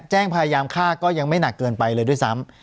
พยายามฆ่าก็ยังไม่หนักเกินไปเลยด้วยซ้ำ